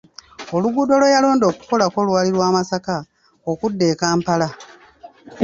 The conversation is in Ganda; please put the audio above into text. Oluguudo lwe yalonda okukolako lwali lwa Masaka okudda e kampala.